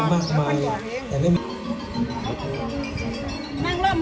อาจารย์สะเทือนครูดีศิลปันติน